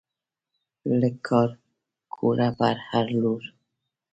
له کارکوړه پر هر لور